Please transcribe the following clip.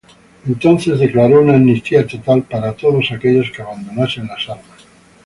Entonces declaró una amnistía total para todos aquellos que abandonasen las armas.